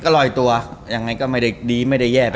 หลอยตัวอย่างไรก็ไม่ได้ดีไม่ได้แย่